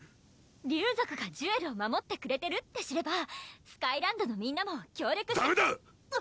竜族がジュエルを守ってくれてるって知ればスカイランドのみんなも協力してダメだ！